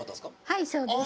はいそうです。